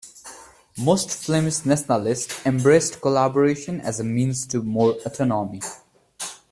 Most Flemish nationalists embraced collaboration as a means to more autonomy.